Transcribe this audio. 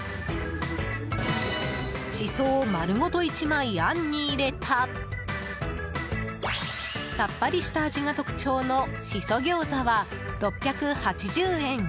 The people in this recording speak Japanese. シソを丸ごと１枚あんに入れたさっぱりした味が特徴のしそ餃子は６８０円。